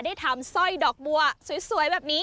ได้ทำสร้อยดอกบัวสวยแบบนี้